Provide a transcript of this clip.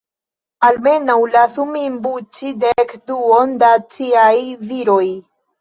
Almenaŭ, lasu min buĉi dek-duon da ciaj viroj!